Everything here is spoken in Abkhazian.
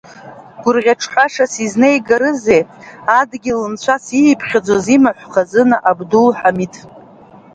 Гурӷьаҿҳәашас изнеигарызеи, адгьыл-нцәас ииԥхьаӡоз имаҳә хазына, Абдул-Ҳамид?